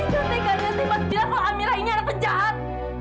nanti nanti mas bilang kalau amira ini anak penjahat